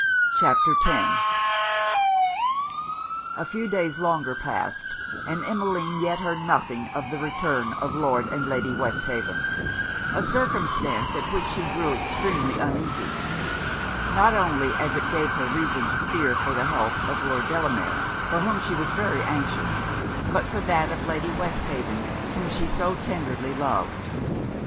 CHAPTER X A few days longer passed, and Emmeline yet heard nothing of the return of Lord and Lady Westhaven; a circumstance at which she grew extremely uneasy. Not only as it gave her reason to fear for the health of Lord Delamere, for whom she was very anxious; but for that of Lady Westhaven, whom she so tenderly loved.